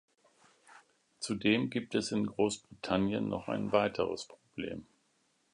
Zudem gibt es in Großbritannien noch ein weiteres Problem.